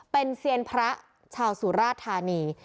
เป็นเซียนพระชาวสุราธานี